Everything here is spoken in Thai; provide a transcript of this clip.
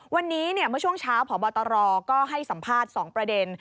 วันนี้เมื่อช่วงเช้าพบตรก็ให้สัมภาษณ์๒ประเด็น